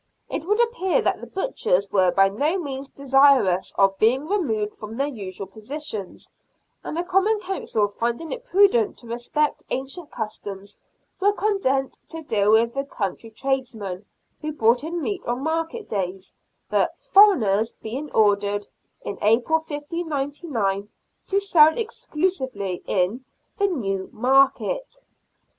It would appear that the butchers were by no means desirous of being removed from their usual positions, and ttie Common Council, finding it prudent to respect ancient customs, were content to deal with the country tradesmen who brought in meat on market days, the " foreigners " being ordered, in April, 1599, to sell exclusively in the " New Market."